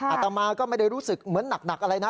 อาตมาก็ไม่ได้รู้สึกเหมือนหนักอะไรนะ